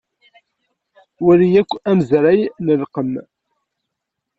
Wali akk amazray n lqem.